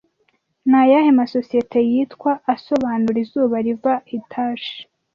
Ni ayahe masosiyete yitwa asobanura izuba riva Hitachi